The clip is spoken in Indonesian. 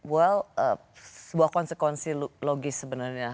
well sebuah konsekuensi logis sebenarnya